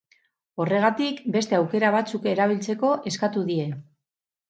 Horregatik, beste aukera batzuk erabiltzeko eskatu die.